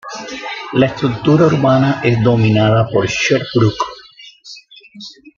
La estructura urbana es dominada por Sherbrooke.